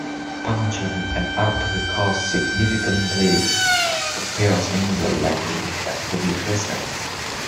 Puncturing an artery cause significant bleeding; the piercing will likely have to be reset.